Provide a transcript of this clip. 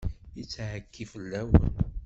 Yettɛekki fell-awen.